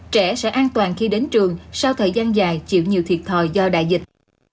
trẻ sẽ an toàn khi đến trường sau thời gian dài chịu nhiều thiệt thòi do đại dịch